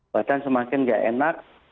badan semakin gak enak